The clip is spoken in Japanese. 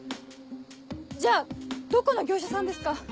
じゃあどこの業者さんですか？